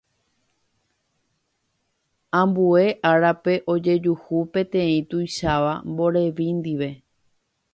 Ambue árape ojejuhu peteĩ tuicháva mborevi ndive.